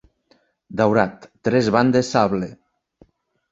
Daurat, tres bandes sable